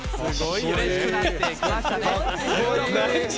うれしくなってきましたね１６。